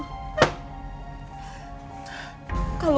ayo duduk dulu